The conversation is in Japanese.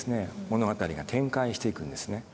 物語が展開していくんですね。